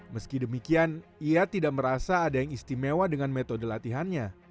meski demikian ia tidak merasa ada yang istimewa dengan metode latihannya